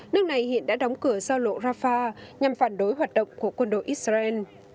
nước này hiện đã đóng cửa giao lộ rafah nhằm phản đối hoạt động của quân đội israel